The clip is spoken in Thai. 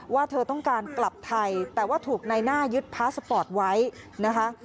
ว่าเธอต้องการกลับไทยแต่ว่าถูกในหน้ายึดพาสปอร์ตไว้นะคะ